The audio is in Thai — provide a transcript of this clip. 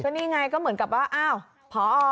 นี่ไงก็เหมือนกับว่าอ้าวพอ